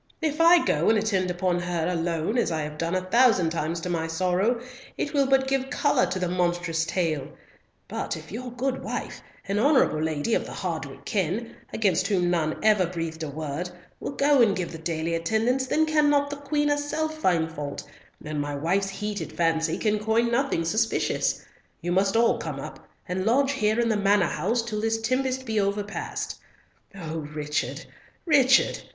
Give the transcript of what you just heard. If I go and attend upon her alone, as I have done a thousand times to my sorrow, it will but give colour to the monstrous tale; but if your good wife, an honourable lady of the Hardwicke kin, against whom none ever breathed a word, will go and give the daily attendance, then can not the Queen herself find fault, and my wife's heated fancy can coin nothing suspicious. You must all come up, and lodge here in the Manor house till this tempest be overpast. Oh, Richard, Richard!